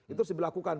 itu harus diberlakukan